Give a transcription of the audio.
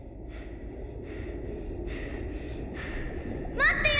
待ってよ！